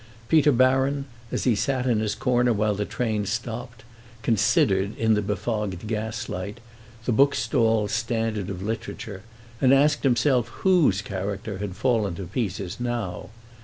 Peter Baron, as he sat in his corner while the train stopped, considered, in the befogged gaslight, the bookstall standard of literature and asked himself whose character had fallen to pieces now.